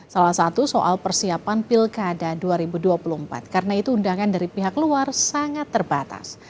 salah satu soal persiapan pilkada dua ribu dua puluh empat karena itu undangan dari pihak luar sangat terbatas